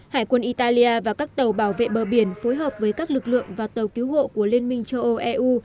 hải quân italia và các tàu bảo vệ bờ biển phối hợp với các lực lượng và tàu cứu hộ của liên minh châu âu eu